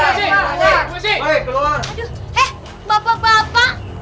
aduh eh bapak bapak